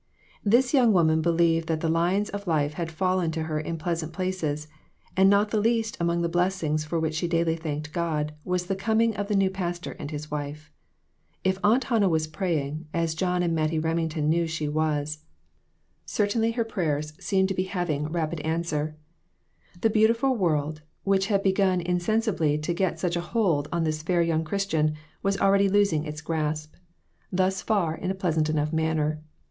This young woman believed that the , lines of life had fallen to her in pleasant places, and not the least among the blessings for which she daily thanked God, was the coming of the new pastor and his wife. If Aunt Hannah was praying, as John and Mattie Remington knew she was, certainly her prayers seemed to be hav READY TO MAKE SACRIFICES. 243 ing rapid answer. The beautiful world, which had begun insensibly to get such a hold on this fair young Christian, was already losing its grasp thus far in a pleasant enough manner.